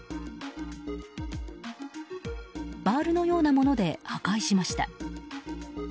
バールのようなもので破壊しました。